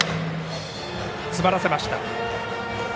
詰まらせました。